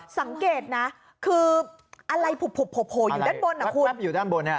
สังเกตนะคืออะไรผบอยู่ด้านบน